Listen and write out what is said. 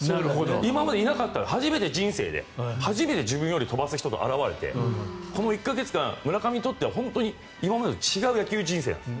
今までいなかった初めて人生で初めて自分より飛ばす人が現れてこの１か月間、村上にとっては今までと違う野球人生なんです。